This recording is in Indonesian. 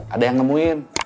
ada yang nemuin